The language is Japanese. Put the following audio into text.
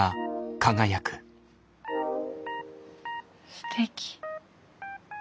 すてき。